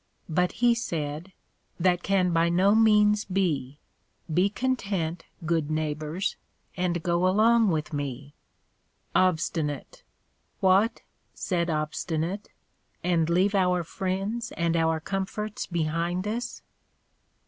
But he said, That can by no means be; be content, good Neighbors, and go along with me. OBST. What, said Obstinate, and leave our friends and our comforts behind us! CHR.